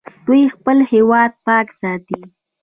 دوی خپل هیواد پاک ساتي.